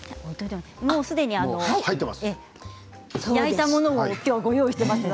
すでに焼いたものを今日はご用意しています。